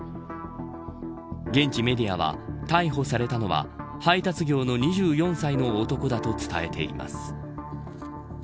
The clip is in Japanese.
現地メディアは、逮捕されたのは配達業の２４歳の男だと伝えています。